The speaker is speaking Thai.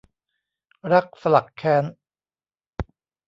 รักสลักแค้น